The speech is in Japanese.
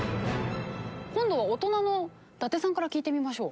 今度は大人の伊達さんから聞いてみましょう。